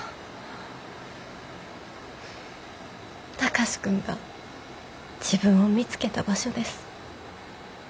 貴司君が自分を見つけた場所です。